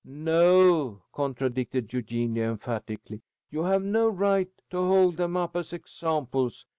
"No!" contradicted Eugenia, emphatically. "You have no right to hold them up as examples.